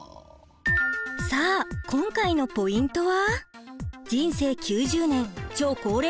さあ今回のポイントは。